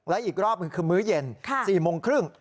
และอีกรอบคือมื้อเย็น๔โมงครึ่ง